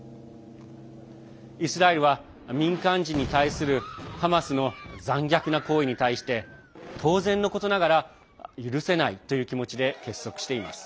イスラエルは民間人に対するハマスの残虐な行為に対して当然のことながら、許せないという気持ちで結束しています。